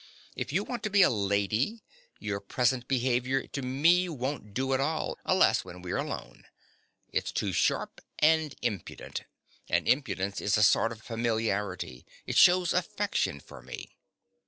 If you want to be a lady, your present behaviour to me won't do at all, unless when we're alone. It's too sharp and impudent; and impudence is a sort of familiarity: it shews affection for me.